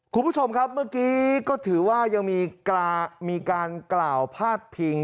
คุณผู้ชมครับเมื่อกี้ก็ถือว่ายังมีการกล่าวพาดพิง